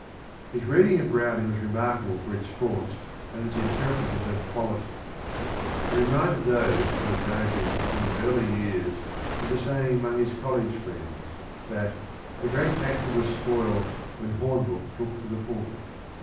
His reading of Browning was remarkable for its force and its interpretative quality. It re minded those who had known him in his early years of the saying among his college friends, that "a great actor was spoiled when Hornbrooke took to the pulpit."